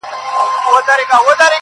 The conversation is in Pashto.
د دې موجب شوي، چي دواړه په شهادت ورسيږي